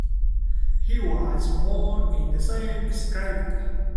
He was born in the same scrape.